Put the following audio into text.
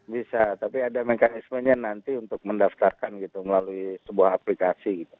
bisa tapi ada mekanismenya nanti untuk mendaftarkan gitu melalui sebuah aplikasi gitu